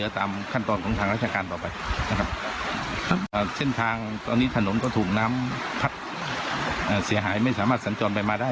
ทางนี้ถนนก็ถูกน้ำพัดเสียหายไม่สามารถสันจอดไปมาได้